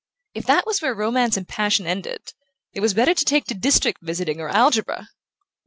If that was where romance and passion ended, it was better to take to district visiting or algebra!